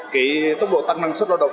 cái tốc độ tăng năng suất lao động